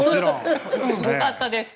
よかったです。